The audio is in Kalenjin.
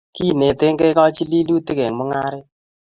Kinetekee kachililutik eng mungaret